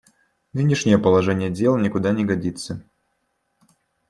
Нынешнее положение дел никуда не годится.